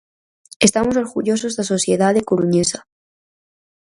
Estamos orgullosos da sociedade coruñesa.